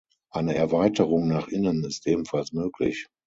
Eine Erweiterung nach innen ist ebenfalls möglich.